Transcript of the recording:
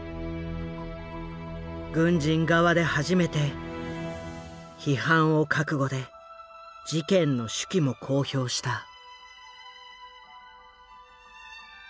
軍人側で初めて批判を覚悟で事件の手記も公表した。